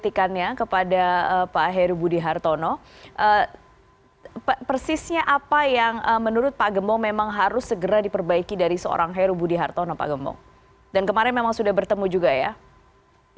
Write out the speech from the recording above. itu adalah sebenarnya yang dulu sempat diprotes oleh fraksi pdi perjuangan juga kan